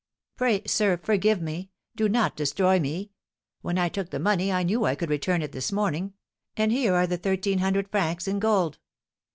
Pray, sir, forgive me, do not destroy me! When I took the money I knew I could return it this morning; and here are the thirteen hundred francs in gold.'